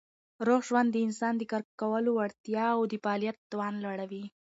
روغ ژوند د انسان د کار کولو وړتیا او د فعالیت توان لوړوي.